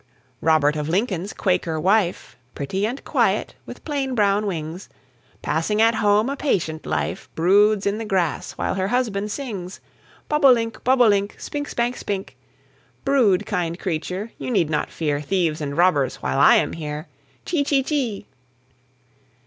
Robert of Lincoln's Quaker wife, Pretty and quiet, with plain brown wings, Passing at home a patient life, Broods in the grass while her husband sings, Bob o' link, bob o' link, Spink, spank, spink, Brood, kind creature, you need not fear Thieves and robbers while I am here. Chee, chee, chee.